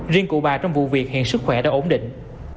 riêng cụ bà trong vụ việc hiện sức khỏe đã ổn định